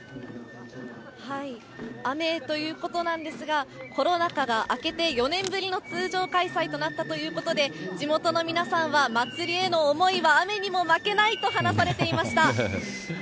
雨ということなんですが、コロナ禍が明けて４年ぶりの通常開催となったということで、地元の皆さんは祭りへの思いは雨にも負けないと話されていました。